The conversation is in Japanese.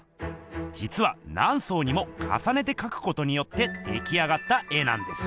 じつは何層にもかさねて描くことによって出来上がった絵なんです。